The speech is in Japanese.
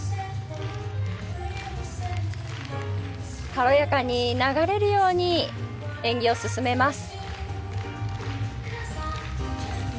軽やかに流れるように演技を進めます。